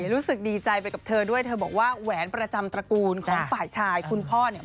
รู้สึกดีใจไปกับเธอด้วยเธอบอกว่าแหวนประจำตระกูลของฝ่ายชายคุณพ่อเนี่ย